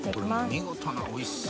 見事なおいしそ！